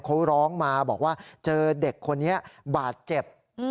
เขาร้องมาบอกว่าเจอเด็กคนนี้บาดเจ็บ